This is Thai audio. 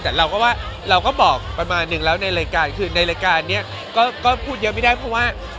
แต่เราก็บอกประมาณนึงแล้วในรายการนี่ก็พูดเยอะไม่ได้เพราะว่า